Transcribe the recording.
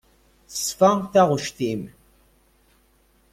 Teṣfa taɣect-im.